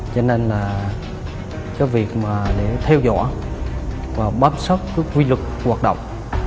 cho nên là cái việc mà để theo dõi và bám sát cái quy luật hoạt động